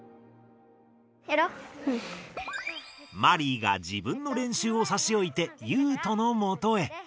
マリイが自分の練習をさしおいてユウトのもとへ。